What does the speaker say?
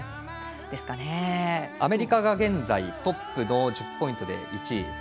アメリカが現在、トップの１０ポイントで１位。